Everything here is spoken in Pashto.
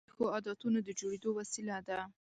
ځغاسته د ښو عادتونو د جوړېدو وسیله ده